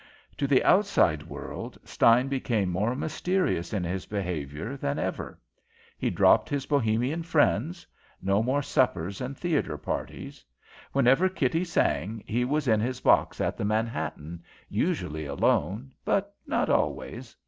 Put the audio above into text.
"To the outside world Stein became more mysterious in his behaviour than ever. He dropped his Bohemian friends. No more suppers and theatre parties. Whenever Kitty sang, he was in his box at the Manhattan, usually alone, but not always.